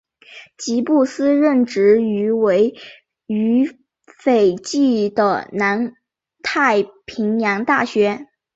吉布斯任职于位于斐济的南太平洋大学。